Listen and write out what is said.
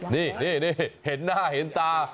นี่เห็นหน้าเห็นตา